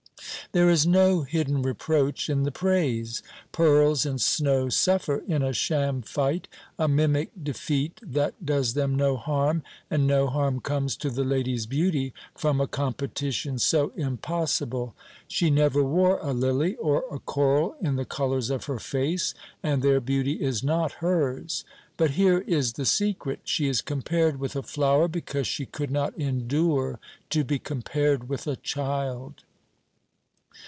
There is no hidden reproach in the praise. Pearls and snow suffer, in a sham fight, a mimic defeat that does them no harm, and no harm comes to the lady's beauty from a competition so impossible. She never wore a lily or a coral in the colours of her face, and their beauty is not hers. But here is the secret: she is compared with a flower because she could not endure to be compared with a child.